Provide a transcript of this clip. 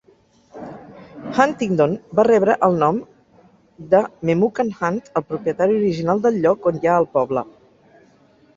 Huntingdon va rebre el nom de Memucan Hunt, el propietari original del lloc on hi ha el poble.